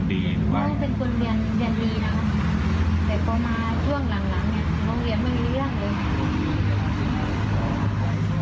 โรงเรียนมันไม่มีเรื่องเลย